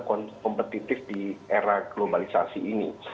kompetitif di era globalisasi ini